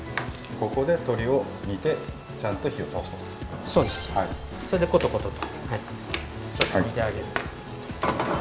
ここで鶏を煮てちゃんと火を通すと。